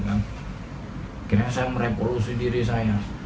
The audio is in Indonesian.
akhirnya saya merevolusi diri saya